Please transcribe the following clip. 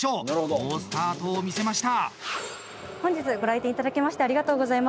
好スタートを見せました。